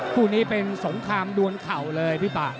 คู่นี้เป็นสงครามดวนเข่าเลยพี่ป่า